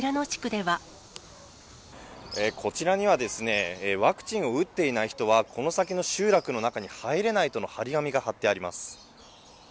こちらには、ワクチンを打っていない人は、この先の集落の中に入れないとの貼り紙が貼ってあります。